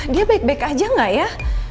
dia baik baik aja gak ya